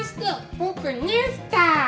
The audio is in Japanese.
僕、ニュースター。